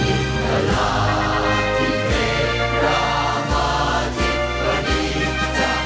มหิตลาทิเทพระมาถิตปฏิชะ